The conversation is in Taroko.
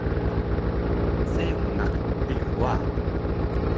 Seung naq Pihu wa